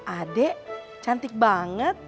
ade cantik banget